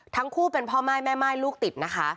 ทั้งคู่เป็นพ่อม่ายแม่ม่ายลูกติดนะคะ